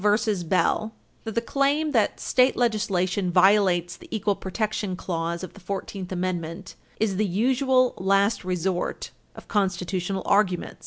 Bell, supra, that the claim that state legislation violates the equal protection clause of the Fourteenth Amendment is "the usual last resort of constitutional arguments."